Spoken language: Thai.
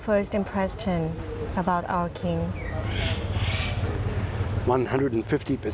ภารกิจของคุณตัวเป็นอย่างไร